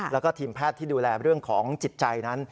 แล้วก็ทีมแพทย์ที่ดูแลเรื่องของจิตใจนั้น